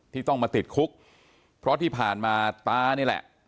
ที่ต้องมาติดคุกเพราะที่ผ่านมาตานี่แหละ